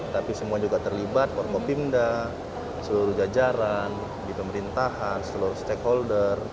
tapi semua juga terlibat forkopimda seluruh jajaran di pemerintahan seluruh stakeholder